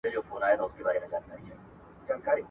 افغانستان د سیمه ییزو شخړو د پراخولو غوښتونکی نه دی.